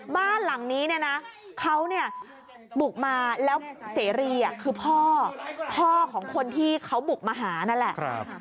บ้านหลังนี้เนี่ยนะเขาเนี่ยบุกมาแล้วเสรีคือพ่อพ่อของคนที่เขาบุกมาหานั่นแหละ